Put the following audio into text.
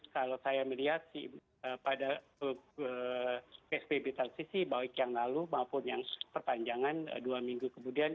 kalau saya melihat pada psbb transisi baik yang lalu maupun yang perpanjangan dua minggu kemudian